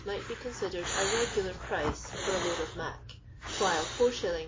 might be considered a regular price for a load of " mac," while is.